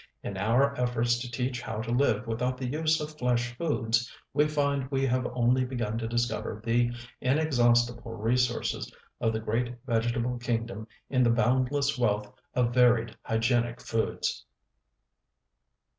In our efforts to teach how to live without the use of flesh foods, we find we have only begun to discover the inexhaustible resources of the great vegetable kingdom in the boundless wealth of varied hygienic foods.